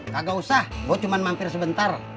kagak usah gue cuma mampir sebentar